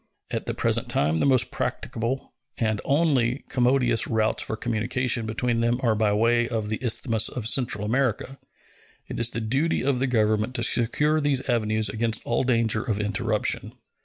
At the present time the most practicable and only, commodious routes for communication between them are by the way of the isthmus of Central America. It is the duty of the Government to secure these avenues against all danger of interruption.